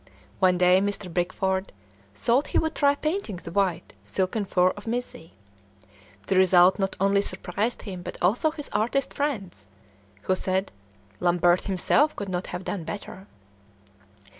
One day Mr. Bickford thought he would try painting the white, silken fur of Mizzi: the result not only surprised him but also his artist friends, who said, "Lambert himself could not have done better."